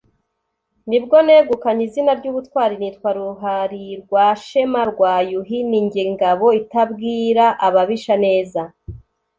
ni bwo negukanye izina ry'ubutwali nitwa Ruhalirwashema rwa Yuhi; ni jye ngabo itabwira ababisha neza,